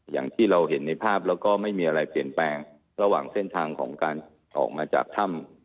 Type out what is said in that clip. อย่างที่เราเห็นในภาพแล้วก็ไม่มีอะไรเปลี่ยนแปลงระหว่างเส้นทางของการออกมาจากถ้ำ